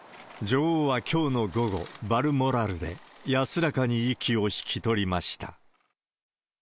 女王はきょうの午後、バルモラルで安らかに息を引き取りました。